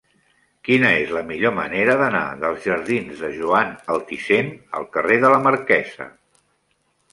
Quina és la millor manera d'anar dels jardins de Joan Altisent al carrer de la Marquesa?